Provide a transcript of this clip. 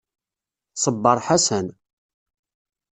Ṣebber Ḥasan.